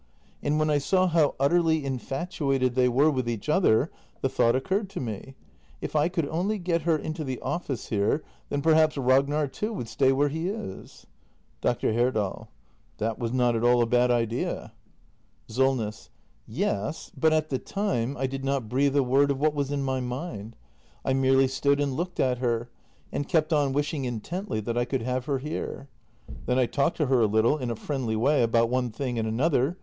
And when I saw how utterly infatuated they were with each other, the thought occurred to me: if I could only get her into the office here, then perhaps Ragnar too would stay where he is. Dr. Herdal. That was not at all a bad idea. 276 THE MASTER BUILDER [act i SOLNESS. Yes, but at the time I did not breathe a word of what was in my mind. I merely stood and looked at her — and kept on wishing intently that I could have her here. Then I talked to her a little, in a friendly way — about one thing and another.